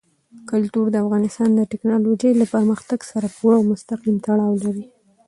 کلتور د افغانستان د تکنالوژۍ له پرمختګ سره پوره او مستقیم تړاو لري.